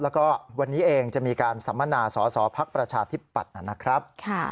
แล้วก็วันนี้เองจะมีการสัมมนาสอสอภักดิ์ประชาธิปัตย์นะครับ